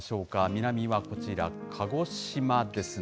南はこちら、鹿児島ですね。